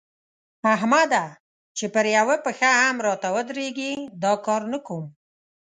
احمده! چې پر يوه پښه هم راته ودرېږي؛ دا کار نه کوم.